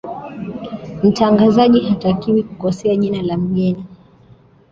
mtangazaji hatakiwi kukosea jina la mgeni